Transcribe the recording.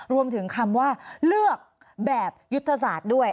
รวมถึงคำว่าเลือกแบบยุทธศาสตร์ด้วย